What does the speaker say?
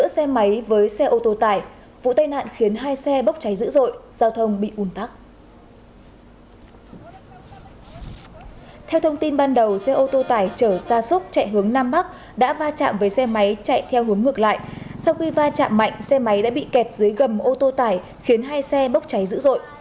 sau khi va chạm mạnh xe máy đã bị kẹt dưới gầm ô tô tải khiến hai xe bốc cháy dữ dội